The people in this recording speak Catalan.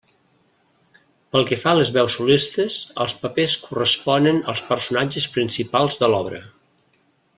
Pel que fa a les veus solistes, els papers corresponen als personatges principals de l'obra.